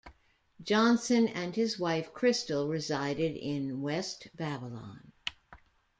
Johnson and his wife Christel resided in West Babylon.